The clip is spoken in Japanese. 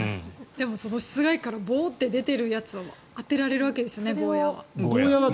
でも、室外機からボーって出ているやつが当てられるわけですよね。